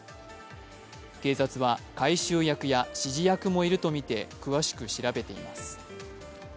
警察は、回収役や指示役もいるとみて詳しく調べています。